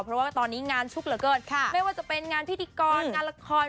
เพราะว่าตอนนี้งานชุกเหลือเกินไม่ว่าจะเป็นงานพิธีกรงานละคร